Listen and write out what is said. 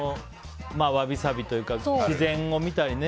わびさびというか自然を見たりね。